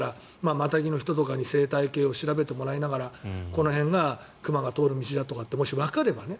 マタギの人とかに生態系を調べてもらいながらこの辺が熊が通る道だとかってもし、わかればね